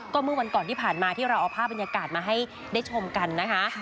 เมื่อวันก่อนที่ผ่านมาที่เราเอาภาพบรรยากาศมาให้ได้ชมกันนะคะ